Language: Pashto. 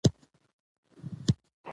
هغوی هم د ماشین پېرلو ته زړه نه ښه کاوه.